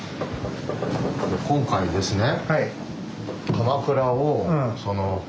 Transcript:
今回ですね